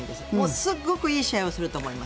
すごくいい試合をすると思います。